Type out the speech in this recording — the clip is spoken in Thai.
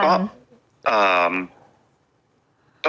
ก็ไม่เป็นไร